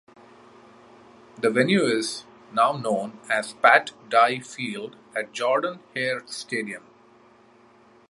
The venue is now known as Pat Dye Field at Jordan-Hare Stadium.